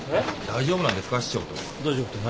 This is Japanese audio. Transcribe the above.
大丈夫なんですか市長と？